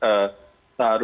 seharusnya masih menjadi